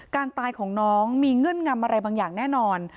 การตายของน้องมีเงื่อนงำอะไรบางอย่างแน่นอน